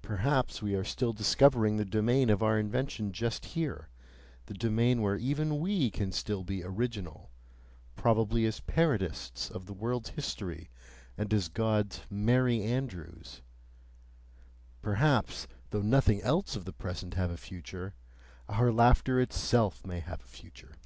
Perhaps we are still discovering the domain of our invention just here, the domain where even we can still be original, probably as parodists of the world's history and as God's Merry Andrews, perhaps, though nothing else of the present have a future, our laughter itself may have a future!